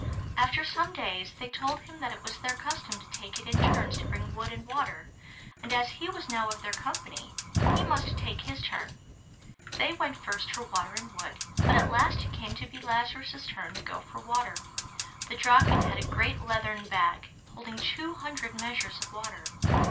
After some days they told him that it was their custom to take it in turns to bring wood and water, and as he was now of their company, he must take his turn. They went first for water and wood, but at last it came to be Lazarus's turn to go for water. The Draken had a great leathern bag, holding two hundred measures of water.